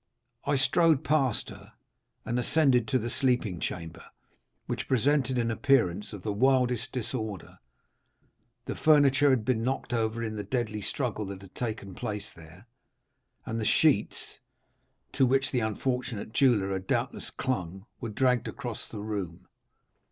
I strode past her, and ascended to the sleeping chamber, which presented an appearance of the wildest disorder. The furniture had been knocked over in the deadly struggle that had taken place there, and the sheets, to which the unfortunate jeweller had doubtless clung, were dragged across the room.